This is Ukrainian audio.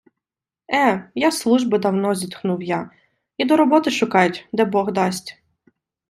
- Е, я з служби давно, - зітхнув я, - іду роботи шукать, де бог дасть...